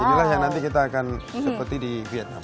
inilah yang nanti kita akan seperti di vietnam